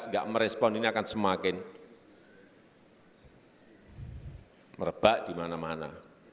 tidak merespon ini akan semakin merebak di mana mana